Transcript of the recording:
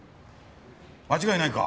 間違いないか？